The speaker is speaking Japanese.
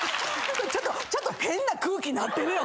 ちょっとちょっと変な空気なってるよ